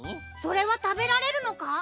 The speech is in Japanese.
それは食べられるのか？